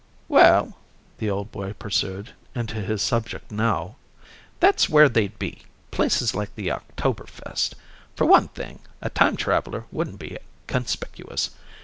"Well," the old boy pursued, into his subject now, "that's where they'd be, places like the Oktoberfest. For one thing, a time traveler wouldn't be conspicuous.